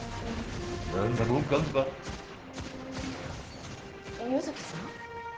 何だ文句あんのか柚木さん？